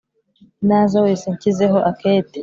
Naza wese nshyizeho akete